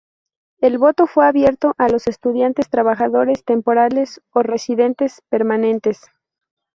El voto fue abierto a los estudiantes, trabajadores temporales o residentes permanentes.